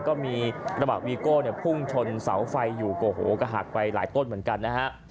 ก็มีระบัดวีโก้พุ่งชนเสาไฟอยู่ก็หักไปหลายต้นเหมือนกันนะฮะ